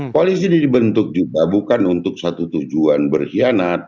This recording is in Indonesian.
koalisi ini dibentuk juga bukan untuk satu tujuan berkhianat